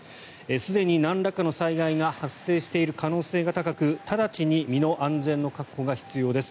すでに、なんらかの災害が発生している可能性が高く直ちに身の安全の確保が必要です。